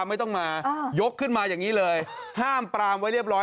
ในสมัยเสมือนในยุคพฤติบัตรนี้